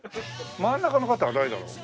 真ん中の方は誰だろう？